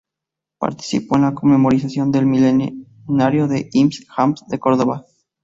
Participó en la conmemoración del Milenario de Ibn Hazm de Córdoba.